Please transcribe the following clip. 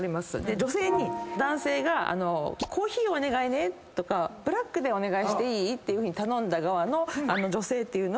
女性に男性が「コーヒーをお願いね」とか「ブラックでお願いしていい？」って頼んだ側の女性は。